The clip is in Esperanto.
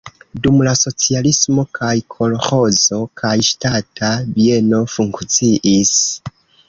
Dum la socialismo kaj kolĥozo, kaj ŝtata bieno funkciis.